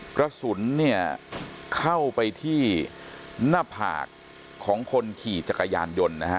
กระสุนเนี่ยเข้าไปที่หน้าผากของคนขี่จักรยานยนต์นะฮะ